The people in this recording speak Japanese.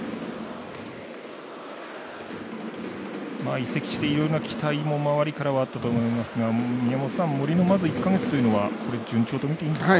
移籍していろんな期待も周りからあったと思いますが宮本さん、森の１か月は順調とみていいんですか？